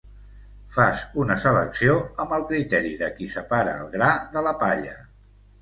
Fas una selecció amb el criteri de qui separa el gra de la palla.